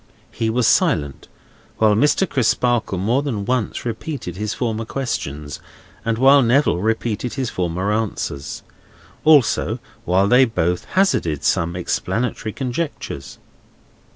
He was silent, while Mr. Crisparkle more than once repeated his former questions, and while Neville repeated his former answers; also, while they both hazarded some explanatory conjectures.